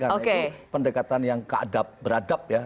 karena itu pendekatan yang keadab beradab ya